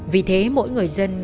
vì thế mỗi người dân